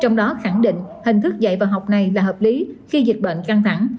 trong đó khẳng định hình thức dạy và học này là hợp lý khi dịch bệnh căng thẳng